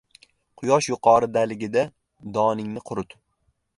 • Quyosh yuqoridaligida doningni qurit.